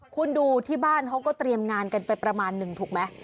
คุณดูที่บ้านเขาก็เตรียมงานกันไปประมาณหนึ่งถูกไหม